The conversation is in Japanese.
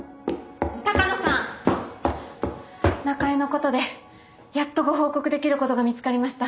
中江のことでやっとご報告できることが見つかりました。